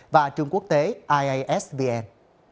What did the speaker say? và trường quốc tế iasvn